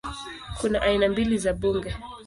Kuna aina mbili za bunge